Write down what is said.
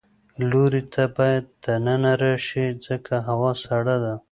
لورې ته باید د ننه راشې ځکه هوا سړه ده.